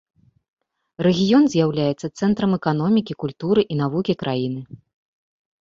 Рэгіён з'яўляецца цэнтрам эканомікі, культуры і навукі краіны.